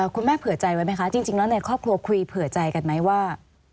เผื่อใจไว้ไหมคะจริงแล้วในครอบครัวคุยเผื่อใจกันไหมว่า